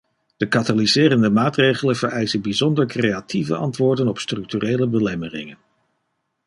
De katalyserende maatregelen vereisen bijzonder creatieve antwoorden op structurele belemmeringen.